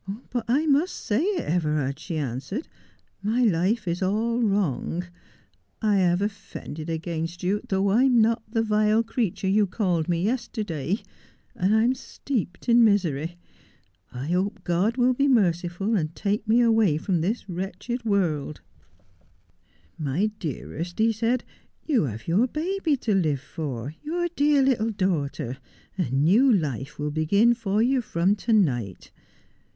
" But I must say it, Everard," she answered. " My life is all wrong. I have offended against you, though I am not the vile creature you called me yesterday ; and I am steeped in misery. I hope God will be merciful and take me away from this wretched world." ' That ivould be an Unholy Alliance.' 279 '" My dearest," he said, " you have your baby to live for, your dear little daughter. A new life will begin for you from to night."